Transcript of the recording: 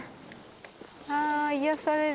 あ癒やされる。